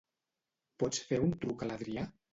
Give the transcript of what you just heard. Pots fer un truc a l'Adrià?